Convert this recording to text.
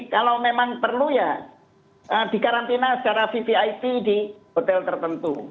kalau memang perlu ya di karantina secara vvip di hotel tertentu